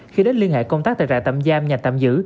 khi đến liên hệ công tác tại trại tạm giam nhà tạm giữ